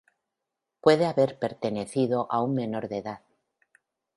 Puede haber pertenecido a un menor de edad.